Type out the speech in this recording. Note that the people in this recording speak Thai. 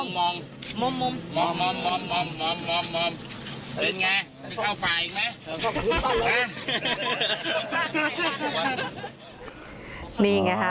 มองมองมอง